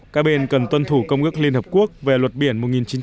các bên cần tuân thủ công ước liên hợp quốc về luật biển một nghìn chín trăm tám mươi hai